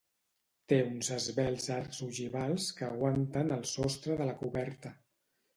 Té uns esvelts arcs ogivals que aguanten el sostre de la coberta.